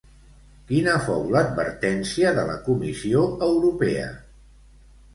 Quina fou l'advertència de la Comissió Europea?